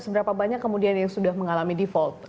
seberapa banyak kemudian yang sudah mengalami default